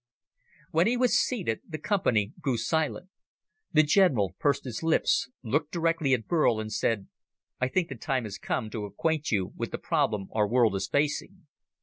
When he was seated, the company grew silent. The general pursed his lips, looked directly at Burl, and said, "I think the time has come to acquaint you with the problem our world is facing.